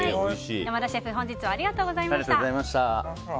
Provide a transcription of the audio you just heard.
山田シェフ本日はありがとうございました。